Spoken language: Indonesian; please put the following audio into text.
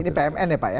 ini pmn ya pak ya